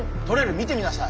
見てみなさい